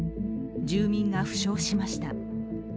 住民が負傷しました。